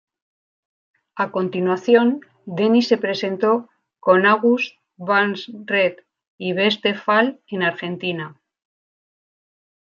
A continuación, Deny se presentó con August Burns Red y Blessthefall en Argentina.